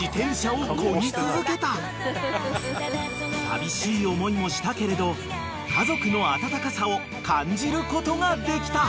［寂しい思いもしたけれど家族の温かさを感じることができた］